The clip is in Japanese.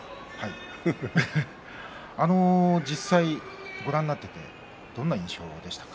実際に、ご覧になってどんな印象でしたか？